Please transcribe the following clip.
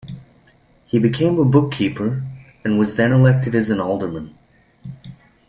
He became a bookkeeper, and was then elected as an alderman.